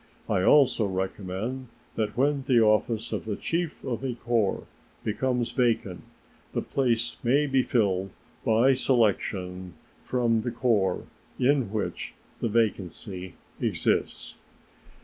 I also recommend that when the office of chief of a corps becomes vacant the place may be filled by selection from the corps in which the vacancy exists.